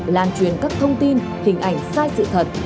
lan truyền các thông tin hình ảnh sai sự thật